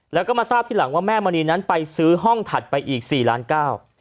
แล้วก็มาทราบทีหลังว่าแม่มณีนั้นไปซื้อห้องถัดไปอีกสี่ล้านเก้า